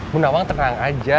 bu nawang tenang saja